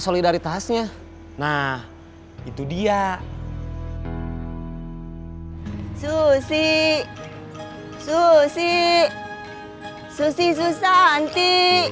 solidaritasnya nah itu dia susi susi susi susanti